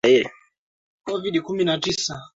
kote watu wengi wameathirika na janga hili